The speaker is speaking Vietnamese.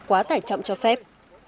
quá tải trọng cho phép